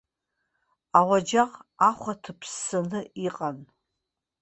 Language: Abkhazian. Ауаџьаҟ ахәа ҭыԥссаны иҟан.